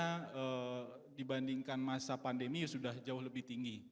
karena dibandingkan masa pandemi sudah jauh lebih tinggi